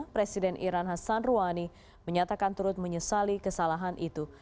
presiden iran hassan rouhani menyatakan turut menyesali kesalahan itu